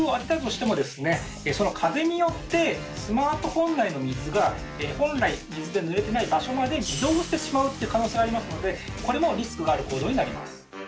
その風によってスマートフォン内の水が本来水でぬれてない場所まで移動してしまうって可能性がありますのでこれもリスクがある行動になります。